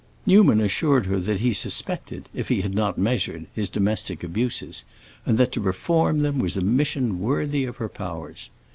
Newman assured her that he suspected, if he had not measured, his domestic abuses, and that to reform them was a mission worthy of her powers.